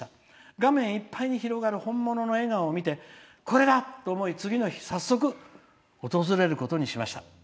画面いっぱいに広がる笑顔を見てこれだ！と思い次の日、早速訪れることにしました。